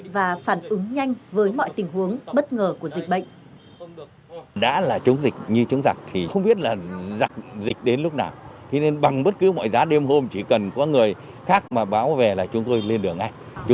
và phản ứng nhanh với mọi tình huống bất ngờ của dịch bệnh